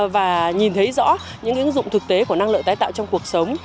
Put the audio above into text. và nhìn thấy rõ những ứng dụng thực tế của năng lượng tái tạo trong cuộc sống